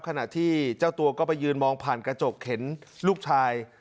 ขณะที่เจ้าตัวก็ไปยืนมองผ่านกระจกเห็นลูกชาย